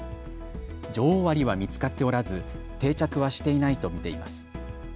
女王アリは見つかっておらず定着はしていないと見ています。